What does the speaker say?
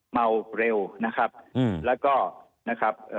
เมาเร็วนะครับแล้วก็นะครับ